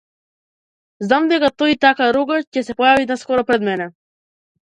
Знам дека тој така рогат ќе се појави наскоро пред мене.